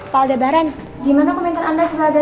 pak aldebaran gimana komentar anda sebagai